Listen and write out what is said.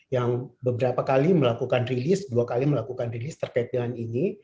yang beberapa kali melakukan rilis dua kali melakukan rilis terkait dengan ini